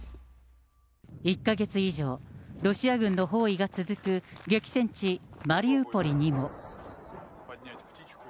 １か月以上、ロシア軍の包囲が続く激戦地、マリウポリにも。